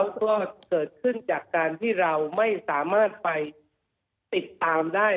แล้วก็เกิดขึ้นจากการที่เราไม่สามารถไปติดตามได้